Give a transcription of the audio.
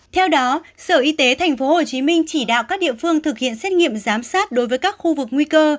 theo đó sở y tế tp hcm chỉ đạo các địa phương thực hiện xét nghiệm giám sát đối với các khu vực nguy cơ